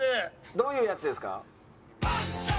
どういうやつですか？